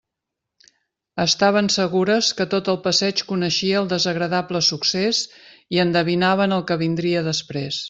Estaven segures que tot el passeig coneixia el desagradable succés, i que endevinaven el que vindria després.